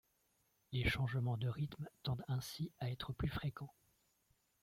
Les changements de rythme tendent ainsi à être plus fréquent.